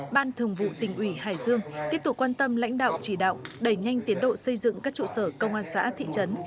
ban thường vụ tỉnh ủy hải dương tiếp tục quan tâm lãnh đạo chỉ đạo đẩy nhanh tiến độ xây dựng các trụ sở công an xã thị trấn